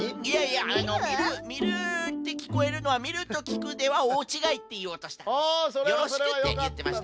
いやいやあのミルミルってきこえるのはみるときくではおおちがいっていおうとしたんです。